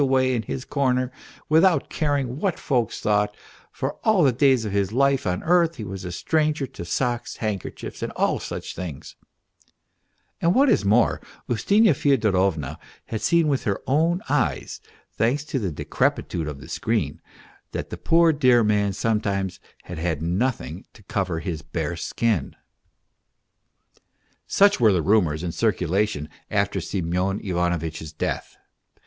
PROHARTCHIN 261 away in his corner, without caring what folks thought, for all the days of his life on earth he was a stranger to socks, handkerchiefs, and all such things," and what is more, Ustinya Fyodorovna had seen with her own eyes, thanks to the decrepitude of the screen, that the poor dear man sometimes had had nothing to cover his bare skin. Such were the rumours in circulation after Semyon Ivanovitch's death.